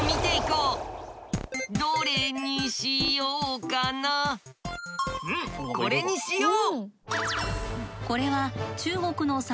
うんこれにしよう！